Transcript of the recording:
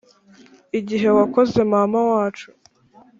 igihe wakoze mama wacu.